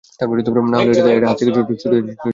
না হলে, এটা হাত থেকে ছুটে যাবে।